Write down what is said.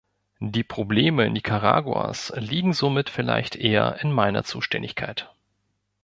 Die Probleme Nicaraguas liegen somit vielleicht eher in meiner Zuständigkeit.